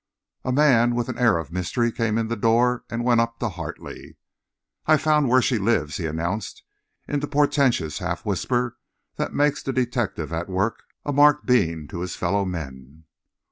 A man with an air of mystery came in the door and went up to Hartley. "I've found where she lives," he announced in the portentous half whisper that makes the detective at work a marked being to his fellow men.